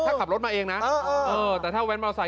ถ้าขับรถมาเองนะแต่ถ้าแว้นมอเตอร์ไซค